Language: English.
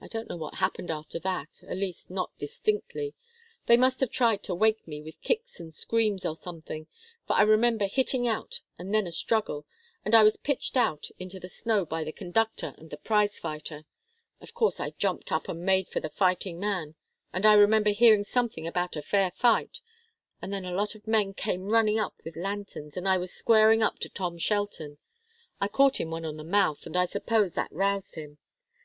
I don't know what happened after that at least not distinctly. They must have tried to wake me with kicks and screams, or something, for I remember hitting out, and then a struggle, and I was pitched out into the snow by the conductor and the prize fighter. Of course I jumped up and made for the fighting man, and I remember hearing something about a fair fight, and then a lot of men came running up with lanterns, and I was squaring up to Tom Shelton. I caught him one on the mouth, and I suppose that roused him.